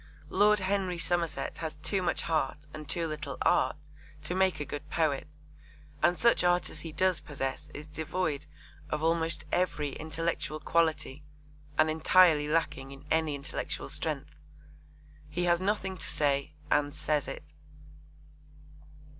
Lord Henry Somerset has too much heart and too little art to make a good poet, and such art as he does possess is devoid of almost every intellectual quality and entirely lacking in any intellectual strength. He has nothing to say and says it.